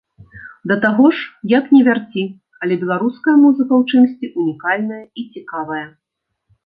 Да таго ж, як не вярці, але беларуская музыка ў чымсьці ўнікальная і цікавая.